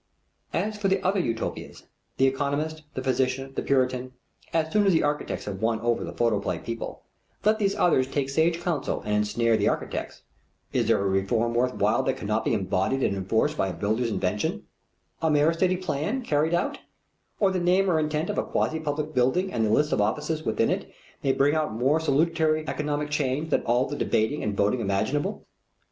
As for the other Utopians, the economist, the physician, the puritan, as soon as the architects have won over the photoplay people, let these others take sage counsel and ensnare the architects. Is there a reform worth while that cannot be embodied and enforced by a builder's invention? A mere city plan, carried out, or the name or intent of a quasi public building and the list of offices within it may bring about more salutary economic change than all the debating and voting imaginable.